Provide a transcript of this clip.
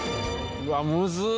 うわむず。